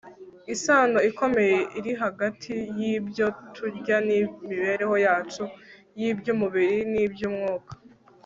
isano ikomeye iri hagati y'ibyo turya n'imibereho yacu y'iby'umubiri n'iby'umwuka